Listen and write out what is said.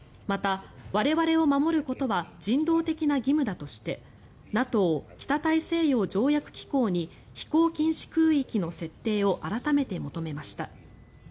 また、我々を守ることは人道的な義務だとしてＮＡＴＯ・北大西洋条約機構に飛行禁止空域の設定を改めて求めました。